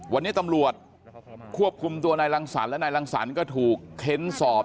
วันนี้ตำรวจควบคุมตัวนายรังสรรคและนายรังสรรค์ก็ถูกเค้นสอบ